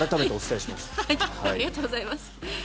ありがとうございます。